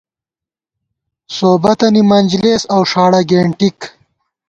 سوبَتَنی منجلېس اؤ ݭاڑہ گېنٹِک